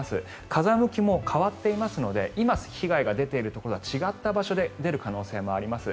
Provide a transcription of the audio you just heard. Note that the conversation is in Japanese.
風向きも変わっていますので今、被害が出ているところとは違った場所で出る可能性もあります。